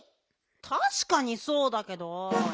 たしかにそうだけど。